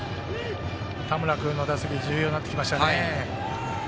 田村君の打席重要になってきましたね。